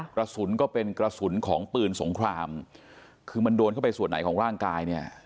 กระสุนก็เป็นกระสุนของปืนสงครามคือมันโดนเข้าไปส่วนไหนของร่างกายเนี่ย